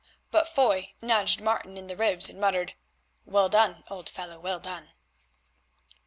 But Foy nudged Martin in the ribs and muttered, "Well done, old fellow, well done!"